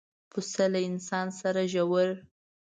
پسه له انسان سره ژور